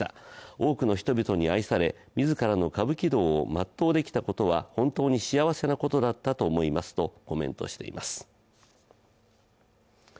多くの人々に愛され、自らの歌舞伎道を全うできたことは本当に幸せなことだったと思いますとコメントしています。